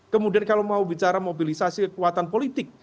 kemudian kalau mau bicara mobilisasi kekuatan politik